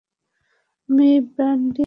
আমি ব্র্যান্ডি খাবো না।